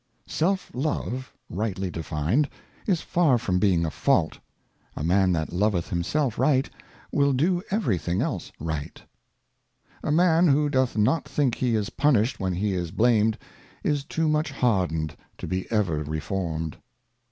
Self love. SELF LOVE rightly defined, is far from being a Fault. A Man that loveth himself right, will do every thing else right. Shame. A MAN who doth not think he is punished when he is blamed, is too much hardened to be ever reformed.